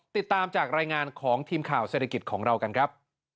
ติดตามจากรายงานของทีมข่าวเศรษฐกิจของเรากันครับ